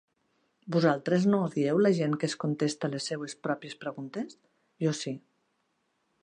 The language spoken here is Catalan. Vosaltres no odieu la gent que es contesta les seues pròpies preguntes? Jo sí.